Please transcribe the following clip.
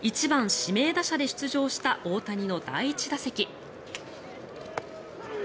１番指名打者で出場した大谷の第１打席。